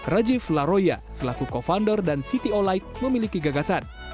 rajiv laroya selaku co founder dan cto like memiliki gagasan